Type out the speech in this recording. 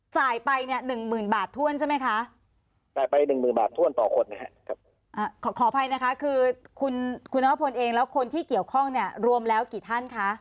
จ่ายไปเนี่ย๑๐๐๐๐บาทท่วนใช่ไหมคะ